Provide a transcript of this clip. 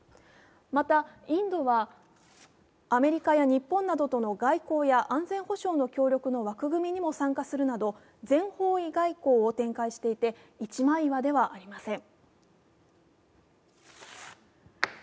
また、インドはアメリカや日本などとの外交や安全保障の協力の枠組みにも参加するなど、全方位外交を展開していて一枚岩ではありません。